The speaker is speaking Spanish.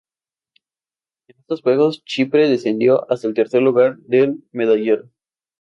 En estos juegos Chipre descendió hasta el tercer lugar del medallero.